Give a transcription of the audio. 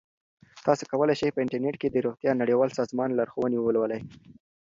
تاسو کولی شئ په انټرنیټ کې د روغتیا نړیوال سازمان لارښوونې ولولئ.